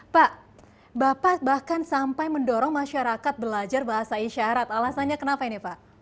pak bapak bahkan sampai mendorong masyarakat belajar bahasa isyarat alasannya kenapa ini pak